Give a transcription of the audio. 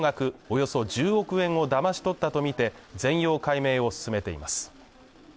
およそ１０億円をだまし取ったと見て全容解明を進めています